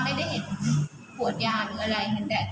ไม่ได้เห็นขวดยาหรืออะไร